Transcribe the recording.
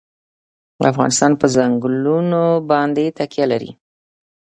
افغانستان په ځنګلونه باندې تکیه لري.